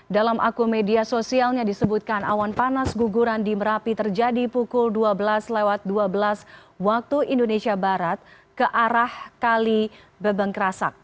dalam akun media sosialnya disebutkan awan panas guguran di merapi terjadi pukul dua belas dua belas waktu indonesia barat ke arah kali bebeng kerasak